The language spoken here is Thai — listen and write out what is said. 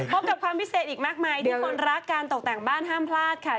พบกับความพิเศษอีกมากมายที่คนรักการตกแต่งบ้านห้ามพลาดค่ะ